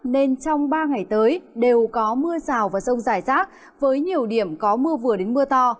nên trong ba ngày tới đều có mưa rào và rông rải rác với nhiều điểm có mưa vừa đến mưa to